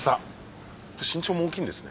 身長も大きいんですね。